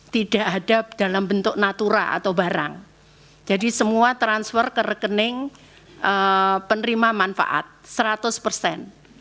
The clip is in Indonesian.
tidak ada dalam bentuk natura atau barang jadi semua transfer ke rekening penerima manfaat seratus persen